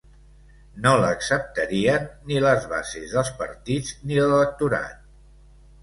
No l’acceptarien ni les bases dels partits ni l’electorat.